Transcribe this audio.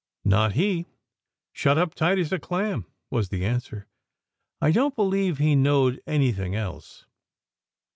"Not he! Shut up tight as a clam," was the answer. "I don t believe he knowed anything else."